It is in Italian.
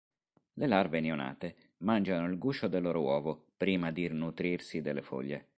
Le larve neonate mangiano il guscio del loro uovo prima di nutrirsi delle foglie.